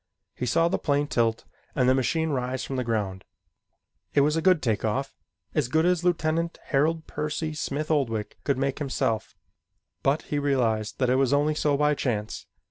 He saw the plane tilt and the machine rise from the ground. It was a good take off as good as Lieutenant Harold Percy Smith Oldwick could make himself but he realized that it was only so by chance.